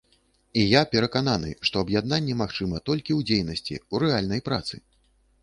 І я перакананы, што аб'яднанне магчыма толькі ў дзейнасці, у рэальнай працы.